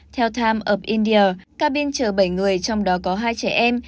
theo time op india cabin chờ bảy người trong đó có hai trẻ em